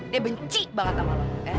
dia benci banget sama lo